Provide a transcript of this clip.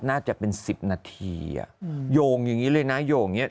น่าจะเป็น๑๐นาทีโยงอย่างนี้เลยนะโยงอย่างนี้